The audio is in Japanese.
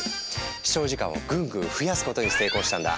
視聴時間をグングン増やすことに成功したんだ。